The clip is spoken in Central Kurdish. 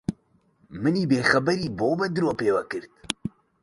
منی بێخەبەری بۆ بە درۆ پێوە کرد؟